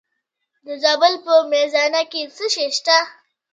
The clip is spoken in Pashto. د زابل په میزانه کې څه شی شته؟